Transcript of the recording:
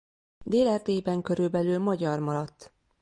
Dél-Erdélyben körülbelül magyar maradt.